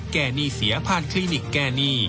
หนี้เสียผ่านคลินิกแก้หนี้